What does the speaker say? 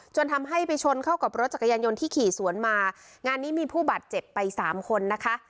ทำให้ไปชนเข้ากับรถจักรยานยนต์ที่ขี่สวนมางานนี้มีผู้บาดเจ็บไปสามคนนะคะ